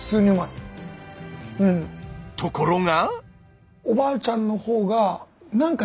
ところが。